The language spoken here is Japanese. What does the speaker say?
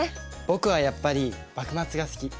僕はやっぱり幕末が好き。